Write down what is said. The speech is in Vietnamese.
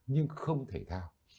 nhưng không thể thao